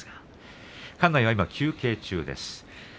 館内は今休憩中です。